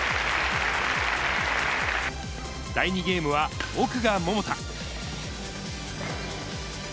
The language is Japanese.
第２ゲームは、奥が桃田。